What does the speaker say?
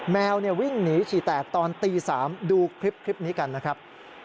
แมววิ่งหนีฉี่แตกตอนตี๓ดูคลิปนี้กันนะครับ